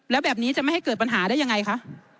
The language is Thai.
แล้วแบบนี้จะไม่ให้เกิดปัญหาได้ยังไงคะ